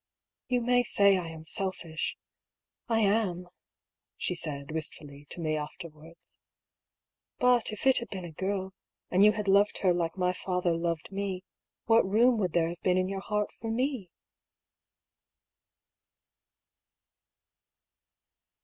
" You may say I am selfish ! I am," she said, wist fully, to me afterwards. " But if it had been a girl, and you had loved her like my father loved me, what room would there have been in your heart for me